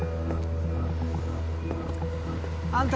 あんた